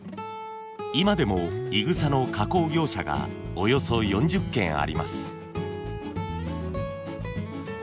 今でもいぐさの加工業者がおよそ４０軒あります。